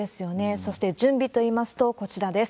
そして、準備といいますと、こちらです。